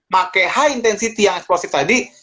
pakai high intensity yang eksplosive tadi